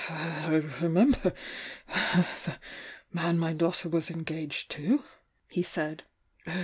"I remember the man my daughter was engaged to," he said.